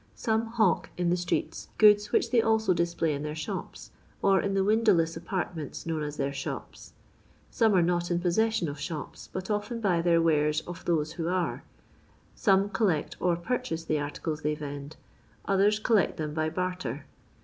Some hawk in the streets goods which they also display in their shops, or in the windowless apartments known as their shops. Some are not in possession of shops, but often buy their wares of those who are. Some collect or purchase the articles they vend ; others collect them by barter.